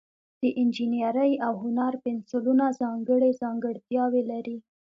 د انجینرۍ او هنر پنسلونه ځانګړي ځانګړتیاوې لري.